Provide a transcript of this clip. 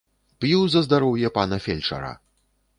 П'ю за здароўе пана фельчара.